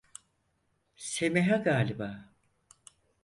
Semiha galiba!